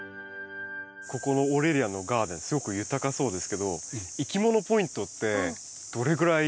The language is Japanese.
ここのオーレリアンのガーデンすごく豊そうですけどいきものポイントってどれぐらいでしょうか？